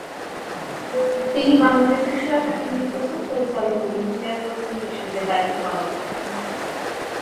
তিনি বাংলাদেশ শিশু একাডেমীর প্রথম পরিচালক এবং চেয়ারপার্সন হিসেবে দায়িত্ব পালন করেন।